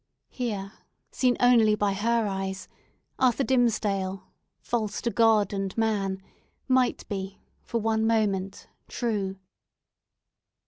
Here seen only by her eyes, Arthur Dimmesdale, false to God and man, might be, for one moment true!